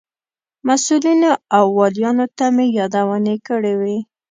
مسئولینو او والیانو ته مې یادونې کړې وې.